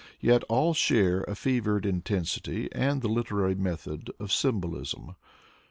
Yet all share a fevered intensity and the literary method of symbolism.